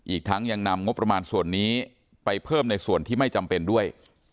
อีกทั้งยังนำงบประมาณส่วนนี้ไปเพิ่มในส่วนที่ไม่จำเป็นด้วย